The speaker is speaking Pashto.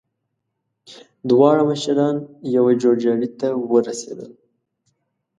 دواړه مشران يوه جوړجاړي ته ورسېدل.